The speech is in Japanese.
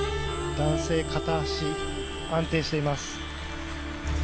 男性片足、安定しています。